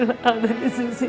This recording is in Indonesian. tolong aku sekali